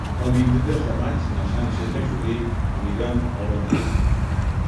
El vint-i-tres de maig na Sança i na Judit aniran al Vendrell.